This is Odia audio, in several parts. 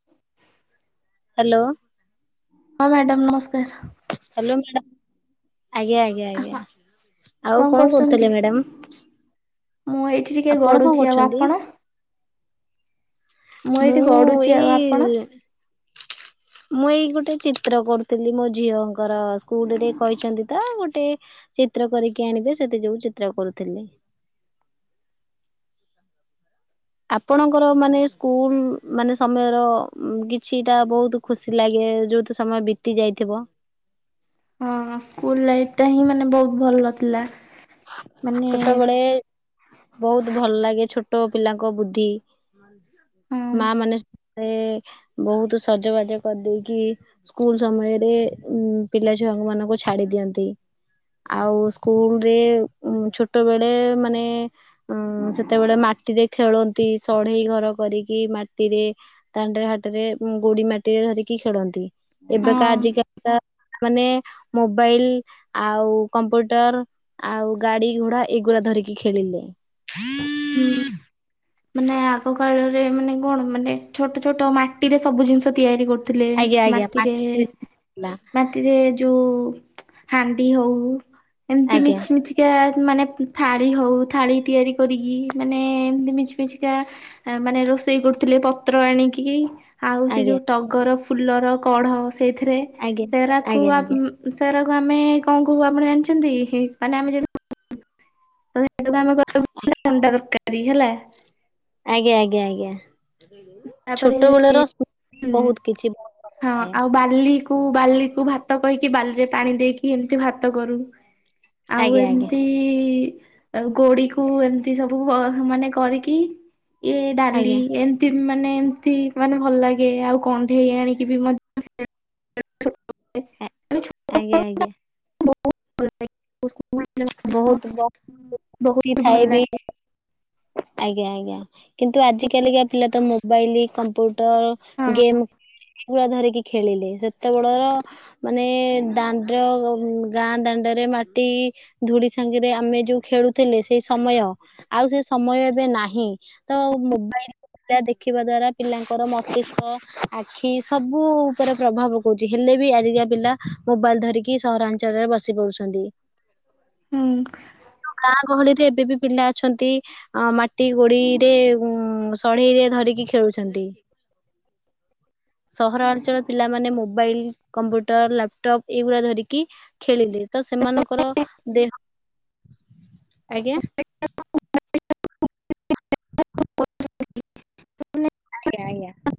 [unintelligible] [inaudible] ହଁ, ମ୍ୟାଡ଼ମ୍ ନମସ୍କାର୍। [inaudible] ହଁ ଆଉ କ'ଣ କରୁଥିଲେ ମ୍ୟାଡ଼ାମ୍? ମୁଁ ଏଇଠି ଟିକେ ଗଡୁଚି, ଆଉ କରୁଛନ୍ତି? ଆପଣ ମୁଁ ଏଇଠି ଗଡୁଚି, ଆଉ ଆପଣ ମୁଁ ଏଇ ଗୋଟେ ଚିତ୍ର କରୁଥିଲି, ମୋ ଝିଅଙ୍କର ସ୍କୁଲରେ କହିଚନ୍ତି ତ। ଗୋଟେ ଚିତ୍ର କରିକି ଆଣିବେ, ସେଥି ଯୋଗୁ ଚିତ୍ର କରୁଥିଲେ। ଆପଣଙ୍କର ମାନେ ସ୍କୁଲ ମାନେ ସମୟର କିଛିଟା ବହୁତ ଖୁସି ଲାଗେ ଯୋଉ ଟି ସମୟ ବିତି ଯାଇଥିବ। ହଁ ସ୍କୁଲ ଲାଇଫ ଟା ହିଁ ମାନେ ବହୁତ ଭଲ ଥିଲା। ମାନେ ଛୋଟବେଳେ ବହୁତ ଭଲ ଲାଗେ ଛୋଟ ପିଲାଙ୍କ ବୁଦ୍ଧି। ହଁ ମା ମାନେ ରେ ବହୁତ ସଜବାଜ କରିଦେଇକି ସ୍କୁଲ ସମୟରେ ଉ ପିଲା ଛୁଆଙ୍କୁ ମାନଙ୍କୁ ଛାଡି ଦିଅନ୍ତି। ଆଉ ସ୍କୁଲ ରେ ଉଁ ଛୋଟ ବେଳେ ମାନେ ଉଁ ସେତେବେଳେ ମାଟିରେ ଖେଳନ୍ତି ସଢେଇ ଘର କରିକି ମାଟିରେ ଦାଣ୍ଡରେ ହାଟରେ ଗୋଡି ମାଟିରେ ଧରିକି ଖେଳନ୍ତି। ହଁ ଏବେକା ଆଜିକାଲି ତ ମାନେ ମୋବାଇଲ ଆଉ କମ୍ପ୍ୟୁଟର ଆଉ ଗାଡି ଘୋଡା ଏଗୁଡା ଧରିକି ଖେଳିଲେ। ହୁଁ। ମାନେ ଆଗ କାଳରେ ମାନେ କଣ ମାନେ ଛୋଟ ଛୋଟ ମାଟିରେ ସବୁ ଜିନିଷ ତିଆରି କରୁ ଥିଲେ ଆଜ୍ଞା ଆଜ୍ଞା ମାଟିରେ ଥିଲା ମାଟ ରେ ଯୋଉ ହାଣ୍ଡି ହଉ ଏମିତି ଆଜ୍ଞା। ମିଛି ମିଛି କେ ହାତ୍ ମାନେ ଥାଳି ହଉ ଥାଳି ତିଆରି କରିକ ମାନେ ଏମତି ମିଛ ମିଛିକା ମାନେ ରୋଷେଇ କରୁଥିଲେ ପତ୍ର ଆଣିକି ଆଉ ସେ ଆଜ୍ଞା ଯେଉ ଟଗର ଫୁଲର କଢ଼ ସେଇଥିରେ ଆଜ୍ଞା ସେରାକୁ ଆଜ୍ଞା ଆଜ୍ଞା ଆପ ଉଁ ସେରାକୁ ଆମେ କଣ କହୁ ଆପଣ ଜାଣିଚନ୍ତି ମାନେ ଆମେ ଯଦି ସେ ଆମେ ଅଣ୍ଡା ତରକାରୀ ହେଲା। ଆଜ୍ଞା ଆଜ୍ଞା ଆଜ୍ଞା। ତାପରେ ଛୋଟ ବଳର ସ୍ମ ବହୁତ ହଁ କିଛିଥାଏ। ଆଉ ବାଲିକୁ ବାଲିକୁ ଭାତ କହିକି ବାଲିରେ ପାଣି ଦେଇକି ଏମିତି ଭାତ କରୁ। ଆଉ ଆଜ୍ଞା ଆଜ୍ଞା ଏମତି ଆଉ ଗୋଡି କୁ ଏମିତି ସବୁ ମାନେ କରିକି ଇଏ ଡାଲି ଆଜ୍ଞା ଏମତି ମାନେ ଏମିତି ମାନେ ଭଲ ଲାଗେ ଆଉ କଣ୍ଢେଇ ଆଣିକି ବି ମଧ୍ୟ [unintelligible] ଆ- ଆଜ୍ଞା ଆଜ୍ଞା। ବହୁତ [unintelligible] କଉ [unintelligible] ବହୁତ [unintelligible] ଥାଏ ବି। ଲାଗେ ଆଜ୍ଞା ଆଜ୍ଞା କିନ୍ତୁ ଆଜି କାଲିକା ପିଲା ତ ମୋବାଇଲ କମ୍ପୁଟ ର ହଁ ଗେମ୍ ପୁରା ଧରିକି ଖେଳିଲେ ସେତେବେଡର ମାନେ ଦାଣ୍ଡ ଗାଁ ଦାଣ୍ଡରେ ମାଟି ଧୂଡି ସାଙ୍ଗେରେ ଆମେ ଯୋଉ ଖେଳୁଥିଲେ ସେଇ ସମୟ ଆଉ ସେ ସମୟ ଏବେ ନାହିଁ ତ ମୋବାଇଲ ରା ଦେଖିବା ଦ୍ଵାରା ପିଲାଙ୍କର ମସ୍ତିଷ୍କ ଆଖି ସବୁ ଉପରେ ପ୍ରଭାବ ପକଉଚି ହେଲେ ବି ଆଜିକା ପିଲା ମୋବାଇଲ ଧରିକି ସହରାଞ୍ଚଳରେ ବସି ପଡୁଛନ୍ତି। ହୁଁ। ଗାଁ ଗହଳି ରେ ଏବେ ବି ପିଲା ଅଛନ୍ତି। ଅ ମାଟି ଗୋଡିରେ ଉ ସଢେଇରେ ଧରିକି ଖେଳୁଚନ୍ତି। [inaudible] ସହରାଞ୍ଚଳ ପିଲାମାନେ ମୋବାଇଲ କମ୍ପ୍ୟୁଟର ଲାପଟପ୍ ଏଇଗୁଡା ଧରିକି ଖେଳିଲେ। ତ ସେମାନଙ୍କର ଦେହ ଆଜ୍ଞା? [unintelligible] [unintelligible] ଆଜ୍ଞା ଆଜ୍ଞା।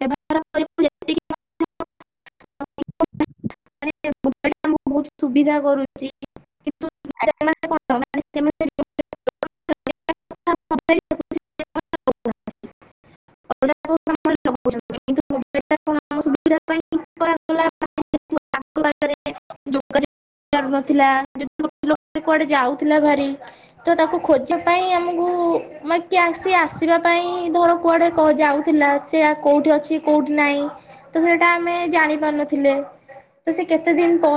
ବ୍ୟବହାର କରିବୁ ଯେତିକି ମାନ ମୋବାଇଲ୍ ବହୁତ ସୁବିଧା କରୁଚି କିନ୍ତୁ [unintelligible] କଣ [unintelligible] [unintelligible] [unintelligible] ତ [inaudible] ଜାଣୁନଥିଲା ଯଦି ଗୋଟିଏ ଲୋକ କୁଆଡେ ଯାଉଥିଲା ଭାରି। ତ ତାକୁ ଖୋଜିବା ପାଇଁ ଆମକୁ ମାନେ କିଏ ସ ଆସିବା ପାଇଁ ଧର। କୁଆଡେ କ ଯାଉଥିଲା ସେ କୋଉଠି ଅଛି କୋଉଠି ନାହିଁ। ତ ସେଇଟା ଆମେ ଜାଣି ପାରୁନଥିଲେ ତ ସେ କେତେ ଦିନ ପରେ।